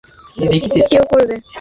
আমার মনে হয় না কেউ করবে।